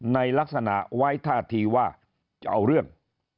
ในลักษณะไว้ท่าทีว่าจะเอาเรื่อง